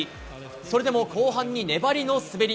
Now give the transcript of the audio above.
それでも後半に粘りの滑り。